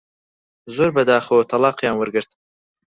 زۆر بەداخەوە تەڵاقیان وەرگرت